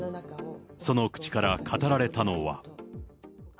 その口から語られたのは。